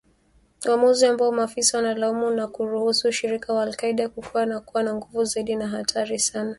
Uamuzi ambao maafisa wanalaumu kwa kuruhusu ushirika wa al-Qaida kukua na kuwa na nguvu zaidi na hatari sana